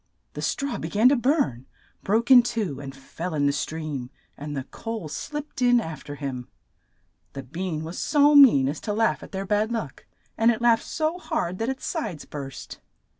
The straw be gan to burn, broke in two, and fell in the stream, and the coal slipped in af ter him. The bean was so mean as to laugh at their bad luck, and it laughed so hard that its sides burst.